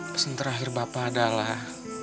pesan terakhir bapak adalah